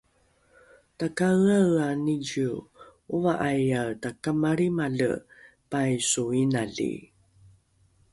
takaeaea nicio ova’aiae takamalrimale paiso inali